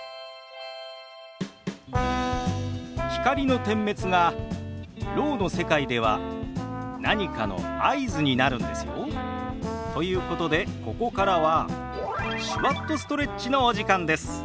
光の点滅がろうの世界では何かの合図になるんですよ。ということでここからは「手話っとストレッチ」のお時間です。